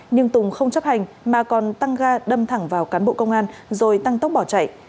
nhưng tùng không chấp hành mà còn tăng ga đâm thẳng vào cán bộ công an rồi tăng tốc bỏ chạy